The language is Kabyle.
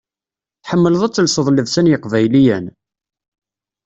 Tḥemmleḍ ad telseḍ llebsa n yeqbayliyen?